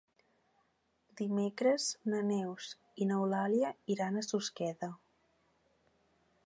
Dimecres na Neus i n'Eulàlia iran a Susqueda.